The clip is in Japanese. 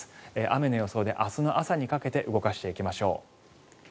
雨の予想で明日の朝にかけて動かしていきましょう。